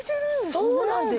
そうなんです。